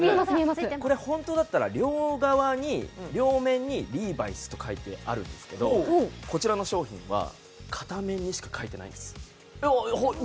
これ本当だったら両側に両面にＬＥＶＩ’Ｓと書いてあるんですけどこちらの商品は片面にしか書いてないんです。